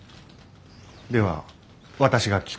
では私が聞こう。